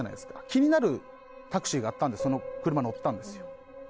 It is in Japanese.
気になるタクシーがあったんでその車、乗ったんですよ。